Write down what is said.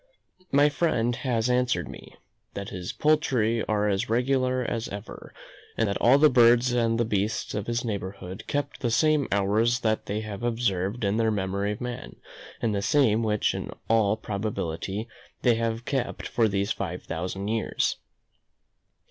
My friend has answered me, "that his poultry are as regular as ever, and that all the birds and the beasts of his neighbourhood keep the same hours that they have observed in the memory of man; and the same which in all probability they have kept for these five thousand years."